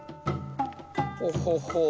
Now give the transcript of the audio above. ほほほう